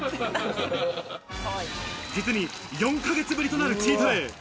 実に４ヶ月ぶりとなるチートデイ。